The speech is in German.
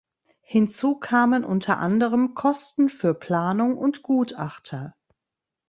Hinzu kamen unter anderem Kosten für Planung und Gutachter.